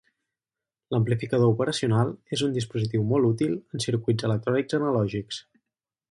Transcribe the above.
L'amplificador operacional és un dispositiu molt útil en circuits electrònics analògics.